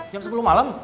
jam sepuluh malam